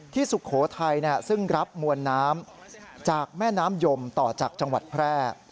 สุโขทัยซึ่งรับมวลน้ำจากแม่น้ำยมต่อจากจังหวัดแพร่